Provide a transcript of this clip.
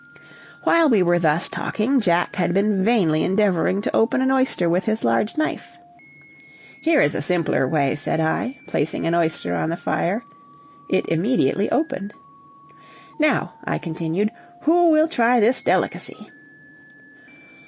While we were thus talking, Jack had been vainly endeavoring to open an oyster with his large knife. "Here is a simpler way," said I, placing an oyster on the fire; it immediately opened. "Now," I continued, "who will try this delicacy?"